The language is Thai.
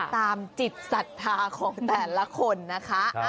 ตามจิตศัตริย์ภาคมของแต่ละคนนะคะ